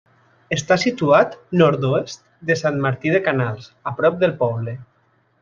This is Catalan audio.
Està situat nord-oest de Sant Martí de Canals, a prop del poble.